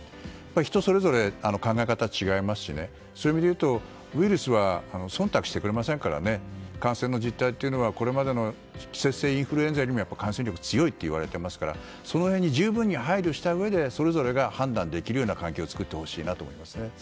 人それぞれ考え方違いますしウイルスは即託してくれませんから感染の実態は、これまでの季節性インフルエンザよりも感染力強いといわれていますからその辺に十分配慮したうえでそれぞれが判断できる環境を作ってほしいと思います。